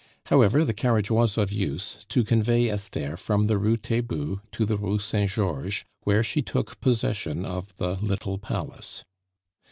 However, the carriage was of use to convey Esther from the Rue Taitbout to the Rue Saint Georges, where she took possession of the "little palace."